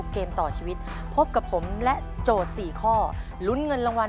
ขอบคุณครับ